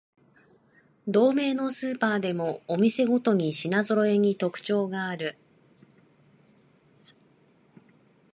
同名のスーパーでもお店ごとに品ぞろえに特徴がある